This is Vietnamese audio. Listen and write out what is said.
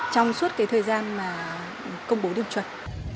trong suốt cái thời gian mà công bố điểm chuẩn